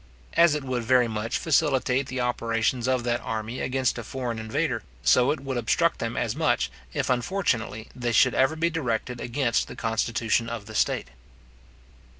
As it would very much facilitate the operations of that army against a foreign invader; so it would obstruct them as much, if unfortunately they should ever be directed against the constitution of the state.